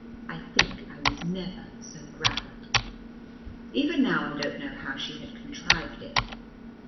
I think I was never so gravelled. Even now I don't know how she had contrived it.